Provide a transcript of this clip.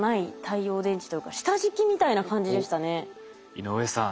井上さん